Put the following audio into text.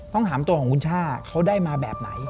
ต้องถามตัวของคุณช่าเขาได้มาแบบไหน